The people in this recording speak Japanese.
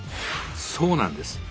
そうなんです。